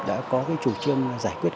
đã có cái chủ trương giải quyết